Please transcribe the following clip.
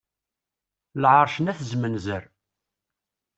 Lɛerc n At zmenzer.